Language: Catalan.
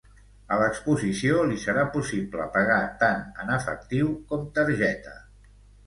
A l'exposició li serà possible pagar tant en efectiu com targeta.